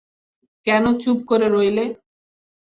কেন চুপ করে রইলে।